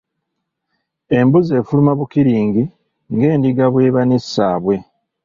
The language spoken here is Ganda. Embuzi efuluma bukiringi ng'endiga bw'eba ne ssaabwe.